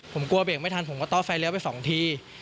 ผมกลัวเบรกไม่ทันผมก็ต้อไฟเลี้ยวไปสองที